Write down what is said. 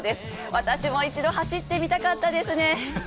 私も一度走ってみたかったですね。